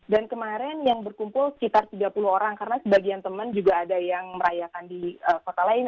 dan kemarin yang berkumpul sekitar tiga puluh orang karena sebagian temen juga ada yang merayakan di kota lain